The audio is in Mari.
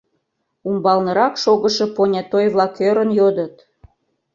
Умбалнырак шогышо понятой-влак ӧрын йодыт: